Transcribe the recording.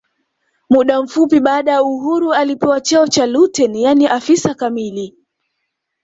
Muda mfupi baada ya uhuru alipewa cheo cha luteni yaani afisa kamili